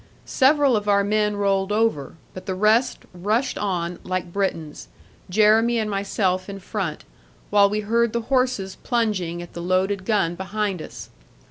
Several of our men rolled over, but the rest rushed on like Britons, Jeremy and myself in front, while we heard the horses plunging at the loaded gun behind us.